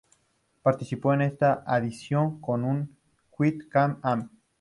Participó en esta edición con un quad Can-Am.